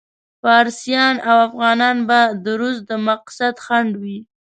فارسیان او افغانان به د روس د مقصد خنډ وي.